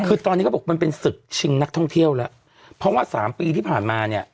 คือตอนนี้เขาบอกมันเป็นศึกชิงนักท่องเที่ยวแล้วเพราะว่าสามปีที่ผ่านมาเนี่ย